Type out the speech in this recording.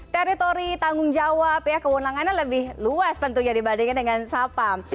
teritori tanggung jawab ya kewenangannya lebih luas tentunya dibandingkan dengan sapam